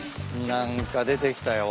何か出てきたよ。